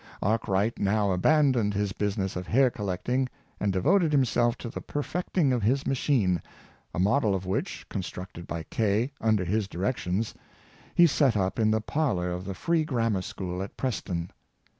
Arkwright now abandoned his busi ness of hair collecting, and devoted himself to the per fecting of his machine, a model of which, constructed by Kay under his directions, he set up in the parlor of the Free Grammer school at Preston.